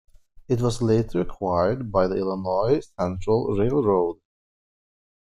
It was later acquired by the Illinois Central Railroad.